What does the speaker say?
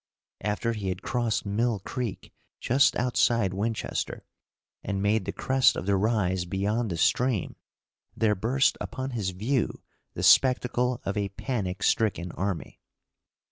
After he had crossed Mill Creek, just outside Winchester, and made the crest of the rise beyond the stream, there burst upon his view the spectacle of a panic stricken army.